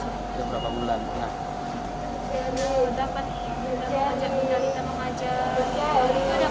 karena dapat benda memajar benda lita memajar